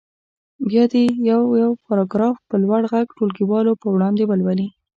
بیا دې یو یو پاراګراف په لوړ غږ ټولګیوالو په وړاندې ولولي.